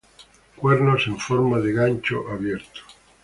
Cuernos en forma de gancho abierto.